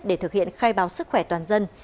để thực hiện khai báo sức khỏe toàn dân